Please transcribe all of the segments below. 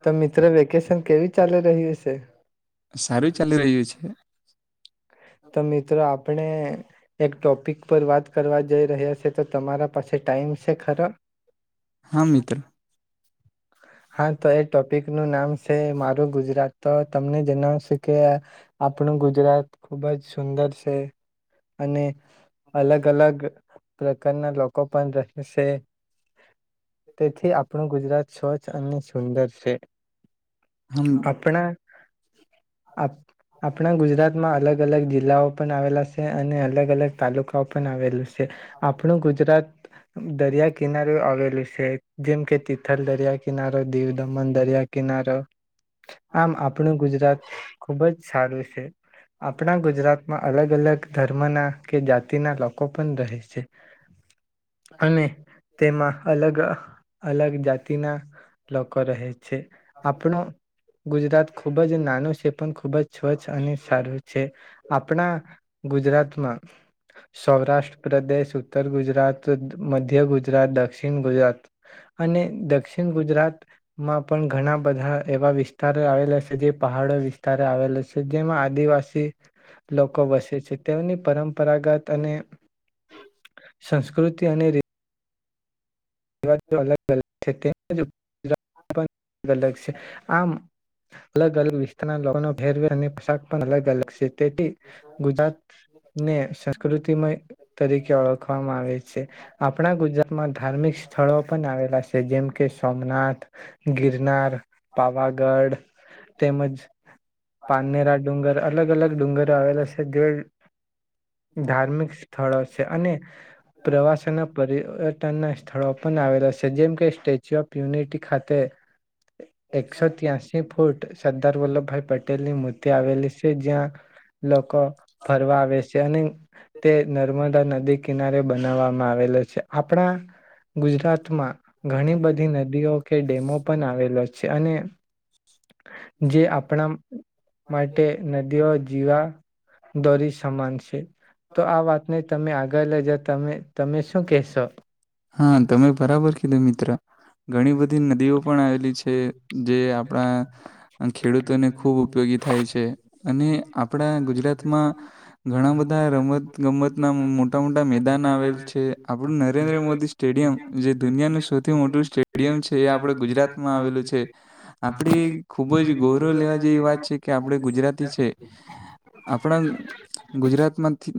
તો મિત્ર વેકેશન. કેવી ચાલી રહી હશે. સારું ચાલી રહ્યું છે. તો મિત્રો આપણે એક ટોપિક પર વાત કરવા જઈ રહ્યા છે તો તમારા પાસે ટાઈમ છે ખરા. હા તો એ ટ. પિક નું નામ છે મારું ગુજરાત તો તમને જણાવશ કે આપણું ગુજરાત. ખુબ જ સુંદર છે અને. અલગ અલગ. પ્રકારના લોકો પણ રહેશે તેથી આપણું ગુજરાત સ્વચ્છ અને સુંદર છે. આપણા. આપણા ગુજરાતમાં અલગ. અલગ અલગ જિલ્લાઓ પણ આવેલા છે અને અલગ અલગ તાલુકાઓ પણ આવેલું છે. આપણું ગુજરાત. દરિયા કિનારો આવેલું છે જેમ કે તિથલ દરિયા કિનારો દીવ દમણ દરિયા કિનારો. આમ આપણું ગુજરાત ખુબ જ સારું છે. આપણા ગુજરાતમાં અલગ અલગ. ધર્મ ના કે જાતિના લોકો પણ રહે છે. અને તેમાં અલગ. અલગ જાતિના. લોકો રહે છે આપણો ગુજરાત ખુબ જ નાનું છે. પણ ખુબ જ સ્વચ્છ અને સારું. છે આપણા ગુજરાત. પટના. સૌરાષ્ટ્ર પ્રદેશ ઉત્તર ગુજરાત મધ્ય ગુજરાત દક્ષિણ ગુજરાત અને દક્ષિણ ગુજરાત. માં પણ ઘણા બધા એવા વિસ્તારો આવેલા છે જે પહાડો વિસ્તાર આવેલા છે જેમાં આદિવાસી. પરંપરાગત અને. સંસ્કૃતિ અને‌ રી [unintelligible] [inaudible] [unintelligible] છે આમ અલગ અલગ વિસ્ત લોકોનો ભેર વેર [unintelligible] અલગ અલગ છે. તેથી ગુજરાતને સંસ્કૃતિમય તરીકે ઓળખવામાં આવે છે. આપણા ગુજરાતમાં ધાર્મિક શ સ્થળો પણ આવેલા છે જેમકે સોમનાથ. ગિરનાર પાવાગઢ તેમજ પાનેરા ડુંગર અલગ અલગ ડુંગર આવેલા છે. ‌ [unintelligible] ધાર્મિક સ્થળો છે. અને પ્રવાસના પરી અ [unintelligible] [unintelligible] પણ આવેલા છે. જેમ કે સ્ટેચ્યુ ઓફ યુનિટી ખાતે એકસો ત્યાસી ફૂટ સરદાર વલ્લભભાઈ પટેલ ટેલ ની મૂર્તિ આવેલી છે. જ્યાં લોકો ફરવા આવે છે અને તે નર્મદા ન નદી કિનારે બનાવવામા આવેલો છે. આપણા ગુજરાતમાં ઘણી બધી નદીઓ કે ડેમો પણ આવેલો છે. અને જે આપણા માટે નદીઓ જીવા દોરી સમાન છે. તો આ વાતને તમે આગળ [unintelligible] તમે તમે શું કહેશો? હા તમે બરાબર. કિલોમિત્ર. ઘણી બધી નદીઓ પણ આવેલી જે આપણા ખેડૂતોને ખૂબ ઉપયોગી થાય છે. અને આપણા ગુજરાતમાં ઘણા બધા રમત ગમત ના મોટા મોટા મેદાન આવેલ છે. આપડું નરેન્દ્ર મોદી સ્ટેડિયમ જે દુનિયાનું સૌથી મોટું સ્ટેડિયમ છે. એ આપણે ગુજરાતમાં આવેલો છે. આપણે ખુબ જ ગૌરવ લેવા જેવી વાત છે કે આપણે ગુજરાતી છે. આપણા ગુજરાતમાંથી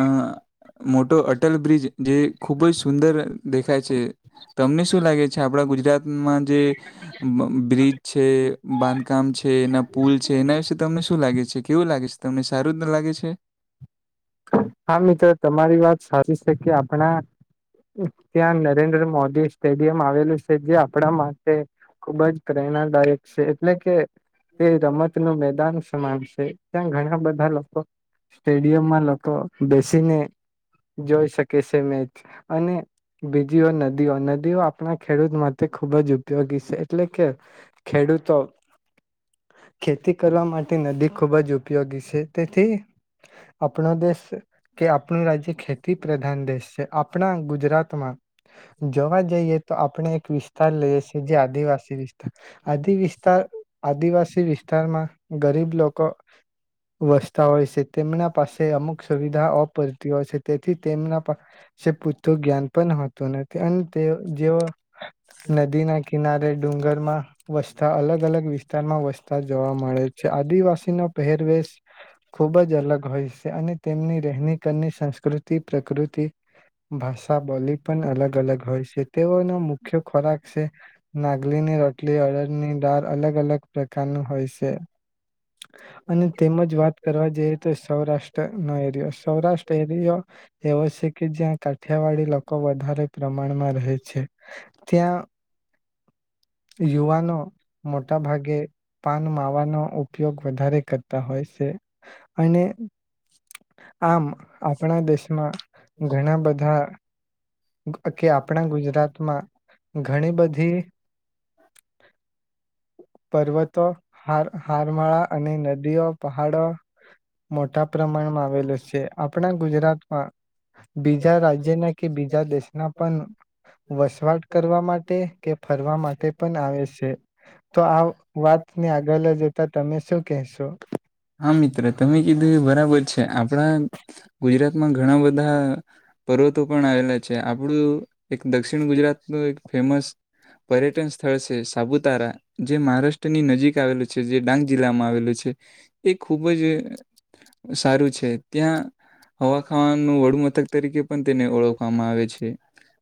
અહ મોટો અટલ બ્રિજ જે ખુબ જ સુંદર દેખાય છે, તમને શું લાગે છે, આપડા ગુજરાતમાં જે બ્રિજ છે, બાંધકામ છે, એના પુલ છે, એના વિશે તમને શું લાગે છે કેવું લાગે છે? તમને સારું તો લાગે છે? હા મિત્ર તમારી વાત સાચી છે, કે આપણા ત્યાં નરેન્દ્ર મોદી સ્ટેડિયમ આવેલું છે, જે આપણા માટે ખુબ જ પ્રેરણાદાયક છે. એટલે કે એ રમત નો મે દાન સમાન છે. ત્યાં ઘણા બધા લોકો સ્ટેડિયમા લ તો બેસીને જોઈ શકે છે મેચ, અને બીજીઓ નદીઓ નદીઓ આપણા ખેડૂત માટે ખુબ જ ઉપયોગી છે, એટલે કે ખેડૂતો ખેતી કરવા માટે નદી ખૂબ જ ઉપ પયોગી છે. તેથી આપણો દેશ કે આપણું રાજ્ય ખેતી પ્રધાન દેશ છે. આપણા ગુજરાતમાં જોવા જઈએ તો આપણે એક વિસ્તાર લઈએ છીએ જે આદિવાસી વિસ્તાર. આદિ વિસ્તાર આદિવાસી વિસ્તારમાં ગરીબ લોકો વસતા હોય છે. તેમના પાસે અમુક સુવિધા અપરતી હોય છે, તેથી તેમના પાસે પૂરતું જ્ઞાન પણ હોતું નથી અને તે જેઓ નદીના કિનારે ડુંગરમાં વસતા અલગ-અલગ વિસ્તારમાં વસતા જોવા મળે છે આદિવાસી નો પહેરવેશ ખુબ જ અલગ હોય છે. અને તેમની રહેની-કરની, સંસ્કૃતિ, પ્રકૃતિ, ભાષા, બોલી પણ અલગ-અલગ હોય છે. તેઓનો મુખ્ય ખોરાક છે નાગલીની રોટલી, અરદની ડાળ અલગ-અલગ પ્રકારનું હોય છે અને તેમજ કરવા જઈએ તો સૌરાષ્ટ્ર એરિયો સૌરાષ્ટ્ર એરિયો એવો છે કે જ્યાં કાઠિયાવાડી લોકો વધારે પ્રમાણમાં રહે છે, ત્યાં યુવાનો મોટા ભાગે પાન માવાનો ઉપયોગ વધારે કરતા હોય છે. અને. આમ આપણા દેશમાં ઘણા બધા. કે આપણા ગુજરાતમાં ઘણી બધી પર્વતો હાર હારમાળા અને નદીઓ. પહાડો મોટા પ્રમાણમાં આવેલો છે આપણા ગુજરાતમાં બીજા રાજ્યના કે બીજ. બીજા દેશના પણ વસવાટ કરવા માટે કે ફરવા માટે પણ આવે છે તો આ વાતને આગળ લ જતા તમે શું કહેશો. હા મિત્ર તો તમે કીધું એ બરાબર છે આપણા ગુજરાતમાં ઘણા બધા. પર્વતો પણ આવેલા. છે આપણું. એક દક્ષિણ ગુજરાત નું એક ફેમસ પર્યટન સ્થળ છે સાપુતારા જે મહારાષ્ટ્રની નજીક આવેલું છે જે ડાંગ જિલ્લામાં આવેલું છે. એ ખૂબ જ સારું છે ત્યાં હવાખા ન વડુ મથક તરીકે પણ તેને ઓળખવામાં આવે છે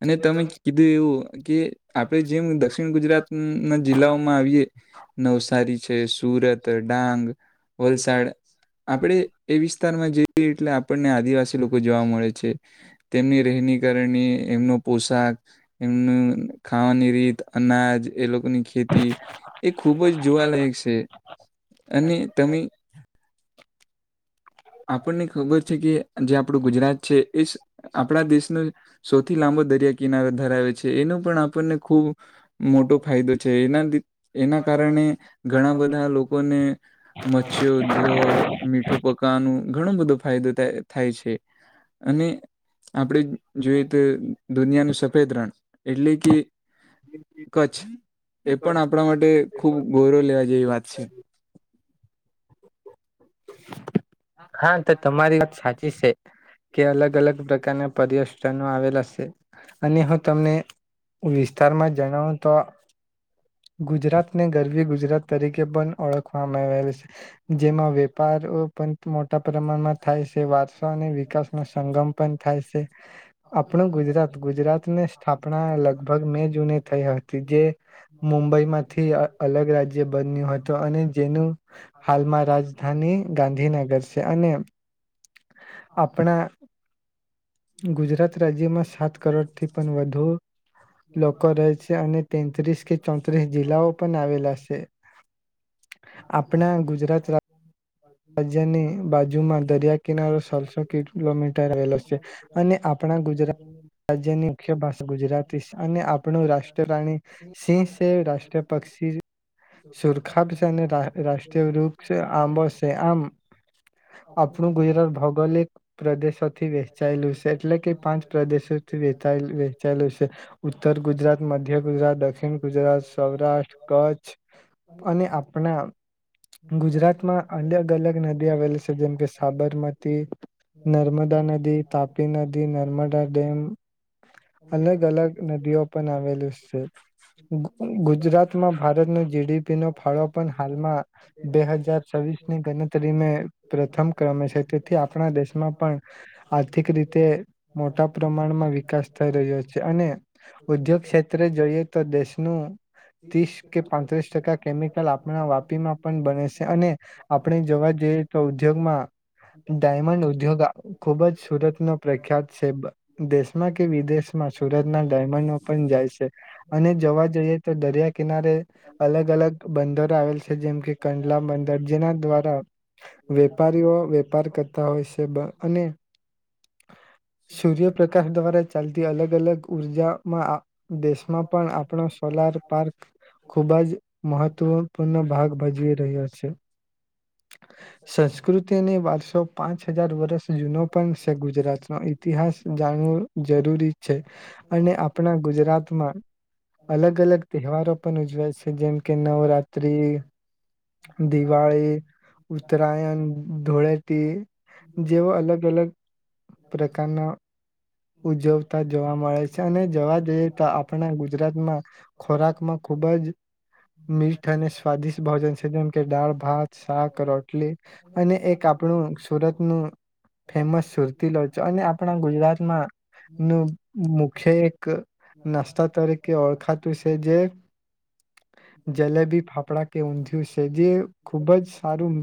અને તમે કીધું એવું કે આપડે જેમ દક્ષિણ ગુજરાત ના જિલ્લાઓમાં આવીએ નવસારી છે સુરત ડાંગ વલસાડ આપણેે એ વિસ્તારમાં જઈ એટલે આપણને આદિવાસી લોકો જોવા મળે છે. તેમની રહેની કારણે એમનો પોશાક એમનું ખાવાની રીત અનાજ એ લોકો ની ખેતી એ ખૂબ જ જોવાલાયક છે અને તમે આપણને ખબર છે કે જે આપણું ગુજરાત છે એ આપણા દેશનો સૌથી લાંબો દરિયા કિનારો ધરાવે છે એનું પણ આપણને ખૂબ મોટો ફાયદો છે એના એના કારણે ઘણા બધા લોકોને મત્સ્યો ઉદ્યોગ મીઠું પ ન ઘણો બધો ફાયદો થ થાય છે. અને આપડ જોઈએ તો દુનિયાનું સફેદ રણ એટલે કે કચ્છ એ પણ આપણા માટે ખુબ ગૌરવ લેવા જેવી વાત છે. હા તો તમારી વાત સાચી છે કે અલગ અલગ પ્રકારના પર્યટનો આવેલા છે અને હું તમને વિસ્તારમાં જણાવું તો. ગુજરાત ને ગરવી ગુજરાત તરીકે પન ઓળખવામાં એવેલ સે. જેમાં વેપારો પન મોટા પ્રમાણમાં થાય સે. વારસા અને વિકાસનો સંગમ પન થાય સે. આપણું ગુજરાત ગુજરાતને સ્થાપના લગભગ મે જૂને થઈ હતી. જે મુંબઈમાંથી અ અલગ રાજ્ય બન્યું હતું અને જેનું હાલમાં રાજધાની ગાંધી છે અને આપણા ગુજરાત રાજ્યમાં સાત કરોડ થી પણ વધુ લોકો રહે છે. અને તેંત્રીસ કે ચોત્રીસ જિલ્લાઓ પણ આવેલા સે. આપણા ગુજરાત રા રાજ્યની બાજુમાં દરિયા કિનારો સોલસો કિલોમીટર આવેલો સે. અને આપણા ગુજરાત રાજ્યની મુખ્ય ભાષા ગુજરાતી સે. અને આપણું રાષ્ટ પ્રાણી સિંહ સે, રાષ્ટ્રી પક્ષી સુરખાબ સે, અને રા રાષ્ટ્રી વૃક્ષ આંબો સે. આમ આપણું ગુજરાત ભૌગોલિક પ્રદેશોથી વેહચાયલું સે. એટલે કે પાંચ પ્રદેશોથી વેચાયેલ વહેચાયેલું સે. ઉત્તર ગુજરાત, મધ્ય ગુજરાત, દક્ષિણ ગુજરાત, સૌરાષ્ટ, કચ્છ અને આપણા ગુજરાતમાં અને નદી આવેલી સે જેમકે સાબરમતી, નર્મદા નદી, તાપી નદી, નર્મદા ડેમ અલગ અલગ નદીઓ પણ આવેલી સે. ગુ ગુજરાતમાં ભારતનો જી ડી પી નો ફાળો પન હાલમાં બે હજાર છવીસ ની ગણતરી મે પ્રથમ ક્રમે છે. તેથી આપણા દેશમાં પણ આર્થિક રીતે મોટા પ્રમાણમાં વિકાસ થઈ રહ્યો છે. અને ઉદ્યોગ ક્ષેત્રે જોઈએ. તો દેશનું તીસ કે પાંત્રીસ ટકા કેમિકલ આપણા વાપીમાં પણ બને સે અને આપણે જોવા જઈએ. તો ઉદ્યોગમાં ડાયમંડ ઉદ્યોગ ખુબ જ સુરત નો પ્રખ્યાત સે. બ દેશમાં કે વિદેશમાં સુરતના ડાયમંડો પણ જાય છે. અને જોવા જઈએ તો દરિયા કિનારે અલગ અલગ બંદરો આવેલ સે. જે મકે કંડલા બંદર જેના દ્વારા વેપારીઓ વેપાર કરતા હોય સે. બ અને સૂર્યપ્રકાહ દ્વારા ચાલતી અલગ અલગ ઊર્જા માં અ દેશમાં પણ આપણો સોલાર પાર્ક ખૂબ જ મહત્વપૂર્ણ ભાગ ભજવી રહ્યો છે. સંસ્કૃતિ અને વાર્સ પાંચ હજાર વરસ જૂનો પણ સે ગુજરાતનો ઈતિહાસ જાણવો જરૂરી છે. અને આપણા ગુજરાતમાં અલગ અલગ તહેવારો પણ ઉજવાય છે. જેમ કે નવરાત્રી દિવાળી, ઉત્તરાયન, ધૂળે ટી જેઓ અલગ અલગ પ્રકારના ઉજવતા જોવા મળે છે. અને જોવા જઈએ તો આપણા ગુજરાતમાં ખોરાકમાં ખુબ જ મીઠ અને સ્વાદિષ્ટ ભોજન છે. જેમ કે દાળ, ભાત, શાક, રોટલી અને એક આપણું સુરતનું ફેમસ સુરતી લોચો અને આપણા ગુજરાતમાં નું મુખ્ય એક નાસ્તા તરીકે ઓળખાતું સે જે જલેબી, ફાફડા કે ઊંધિયું સે જે ખૂબ જ સારું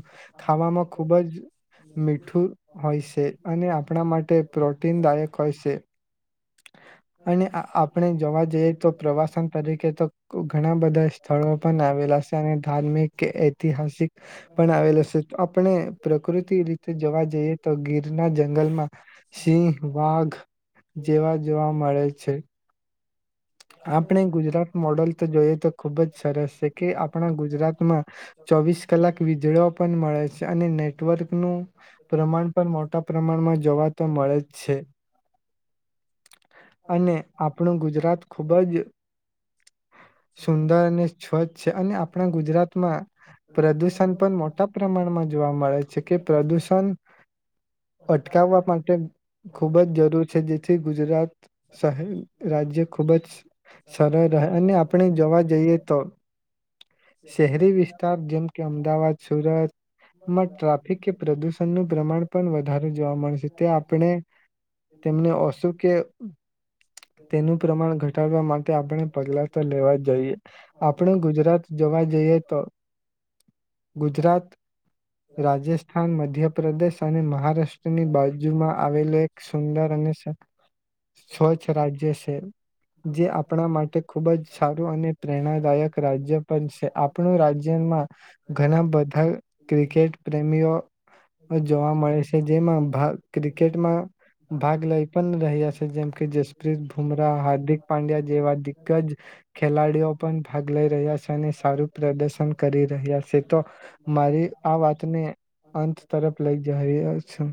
ખાવામાં ખૂબ જ મીઠું હોય સે અને આપણા માટે પ્રોટીનદાયક સે અને આ આપણે જોવા જઈએ. તો પ્રવાસન તરીકે તો ક ઘણા બધા સ્થળો પન આવેલા સે. અને ધાર્મિક કે ઐતિહાસિક પણ આવેલો સે. તો આપણે પ્રક તી રીતે જોવા જઈએ તો ગીરના જંગલમાં સિંહ વાઘ જેવા જોવા મળે છે. આપણે ગુજરાત મોડલ તો જોઈએ તો ખુબ જ સરસ છે, કે આપણા ગુજરાતમાં ચોવીસ કલાક વીજળો પણ મળે છે. અને ને નેટવર્ક નું પ્રમાણ પણ મોટા પ્રમાણમાં જોવા તો મળે જ છે. અને આપણું ગુજરાત ખુબ જ સુંદર અને સ્વચ્છ અને આપણા ગુજરાતમાં પ્રદૂષણ પણ મોટા પ્રમાણમાં જોવા મળે છે. કે પ્રદુષણ અટકાવવા માટે. ખૂબ જ જરૂર છે જેથી ગુજરાત શહેર રાજ્ય ખુબ જ સરળ રહે, અને આપણે જોવા જઈએ તો શહેરી વિસ્તાર જેમ કે અમદાવાદ, સુરતમાં ટ્રાફિક કે પ્રદૂષણનું પ્રમાણ પણ વધારે જોવા મળેશે. તે આપણે. તેમને ઓશું કે તેનું પ્રમાણ ઘટાડવા માટે આપણે પગલા તો લેવા જોઈએ. આપણે ગુજરાત જવા જઈએ તો ગુજરાત રાજ રાજથાન, મધ્યપ્રદેશ, અને મહારાષ્ટ્રની બાજુમાં આવેલે સુંદર અને સ્વ સ્વચ્છ રાજ્ય સે. જે આપણા માટે ખૂબ જ સારું અને પ્રેરણાદાયક રાજ્ય પણ છે, આપણું રાજ્યમાં ઘણા બધા ક્રિકેટ પ્રેમીઓ જોવા મળે છે. જેમાં ભાગ ક્રિકેટમાં ભાગ લઈ પણ રહ્યા છે. જેમ કે જસપ્રીત બુમરાહ, હાર્દિક પાંડ્યા જેવા દિગ્ગજ ખેલાડીઓ પણ ભાગ લઈ રહ્યા છે અને સારું પ્રદર્શન કરી રહ્યા છે. તો મારી આ વાતને અંત તરફ લઈ જહરયા છે.